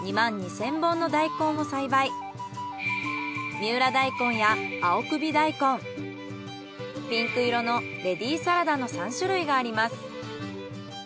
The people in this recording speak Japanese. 三浦大根や青首大根ピンク色のレディーサラダの３種類があります。